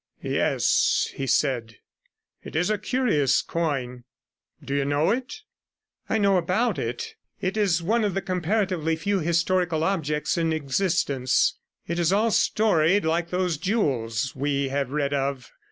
'Yes,' he said; 'it is a curious coin. Do you know it?' 'I know about it. It is one of the comparatively few historical objects in existence; it is all storied like those jewels we have read of.